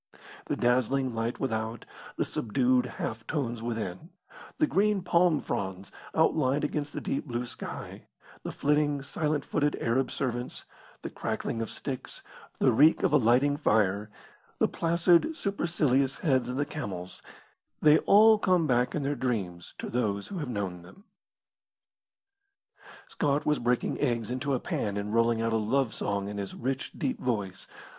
The dazzling light without, the subdued half tones within, the green palm fronds outlined against the deep blue sky, the flitting, silent footed Arab servants, the crackling of sticks, the reek of a lighting fire, the placid supercilious heads of the camels, they all come back in their dreams to those who have known them. Scott was breaking eggs into a pan and rolling out a love song in his rich, deep voice.